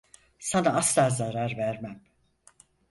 Sana asla zarar vermem.